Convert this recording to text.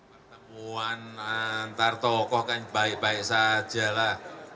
pertemuan antar tokoh kan baik baik saja lah